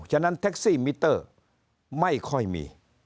ฉะนั้นแท็กซี่มิเตอร์ไม่ค่อยมี